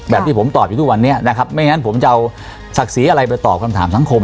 ที่ผมตอบอยู่ทุกวันนี้นะครับไม่งั้นผมจะเอาศักดิ์ศรีอะไรไปตอบคำถามสังคม